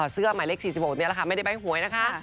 เสื้อส่วนหมายเลข๔๖นี้ละค่ะไม่ได้บ้าให้โหยนะค่ะ